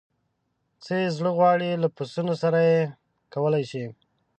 څه یې زړه غواړي له پسونو سره یې کولای شي.